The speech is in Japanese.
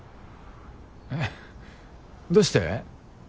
えっどうして？